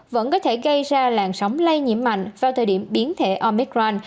vẫn có thể gây ra làn sóng lây nhiễm mạnh vào thời điểm biến thể omicran